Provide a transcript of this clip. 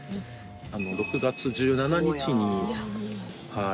６月１７日にはい。